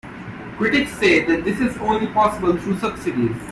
Critics say that this is only possible through subsidies.